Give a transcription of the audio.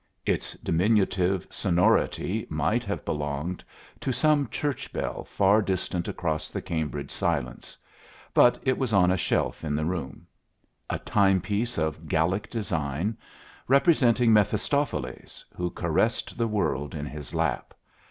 Its diminutive sonority might have belonged to some church bell far distant across the Cambridge silence; but it was on a shelf in the room, a timepiece of Gallic design, representing Mephistopheles, who caressed the world in his lap.